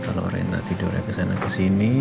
kalau rena tidurnya kesana kesini